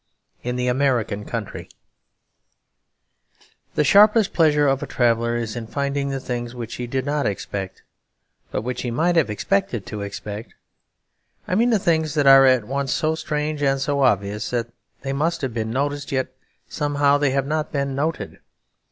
In the American Country The sharpest pleasure of a traveller is in finding the things which he did not expect, but which he might have expected to expect. I mean the things that are at once so strange and so obvious that they must have been noticed, yet somehow they have not been noted.